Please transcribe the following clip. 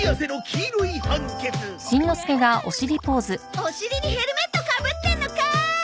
お尻にヘルメットかぶってんのかーい！